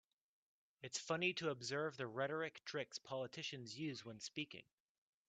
It's funny to observe the rhetoric tricks politicians use when speaking.